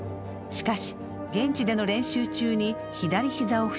しかし現地での練習中に左膝を負傷。